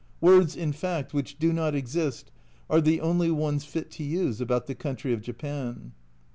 Words, in fact, which do not exist are the only ones fit to use about the country of Japan.